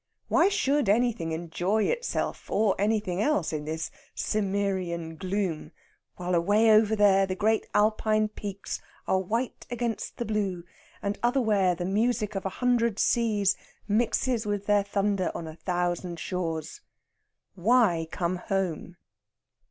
Why should anything enjoy itself or anything else in this Cimmerian gloom, while away over there the great Alpine peaks are white against the blue, and otherwhere the music of a hundred seas mixes with their thunder on a thousand shores? Why come home?